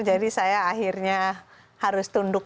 jadi saya akhirnya harus tunduk